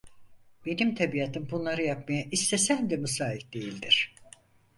Benim tabiatım bunları yapmaya, istesem de müsait değildir!